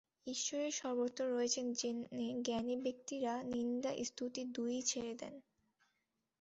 ঈশ্বরই সর্বত্র রয়েছেন জেনে জ্ঞানী ব্যক্তিরা নিন্দা-স্তুতি দুই-ই ছেড়ে দেন।